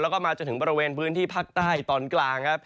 แล้วก็มาจนถึงบริเวณพื้นที่ภาคใต้ตอนกลางครับ